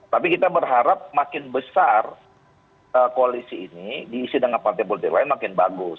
tapi kita berharap makin besar koalisi ini diisi dengan partai politik lain makin bagus